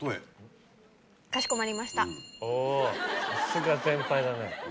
おぉさすが先輩だね。